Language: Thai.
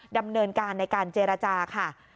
ดำเนินการในการเจรจาค่ะ